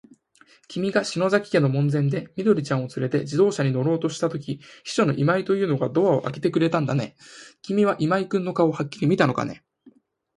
きみが篠崎家の門前で、緑ちゃんをつれて自動車に乗ろうとしたとき、秘書の今井というのがドアをあけてくれたんだね。きみは今井君の顔をはっきり見たのかね。